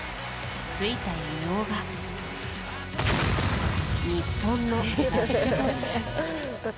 ついた異名が、日本のラスボス。